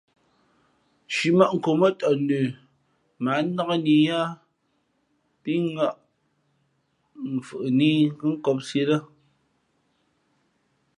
Shīmαnkóʼ mά tαʼ nə mα ǎ nnák nǐyáá pí ŋα̌ʼ mfhʉʼnā i kα̌ nkōpsī ī lά.